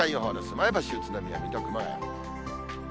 前橋、宇都宮、水戸、熊谷。